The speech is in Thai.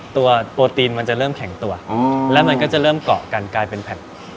ตัวโปรตีนมันจะเริ่มแข็งตัวแล้วมันก็จะเริ่มเกาะกันกลายเป็นแผ่น